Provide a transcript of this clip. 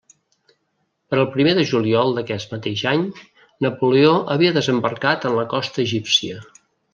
Per al primer de juliol d'aquest mateix any, Napoleó havia desembarcat en la costa egípcia.